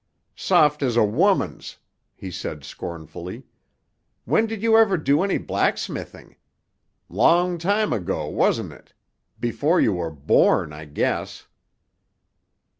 "Soft as a woman's," he said scornfully. "When did you ever do any blacksmithing? Long time ago, wasn't it? Before you were born, I guess."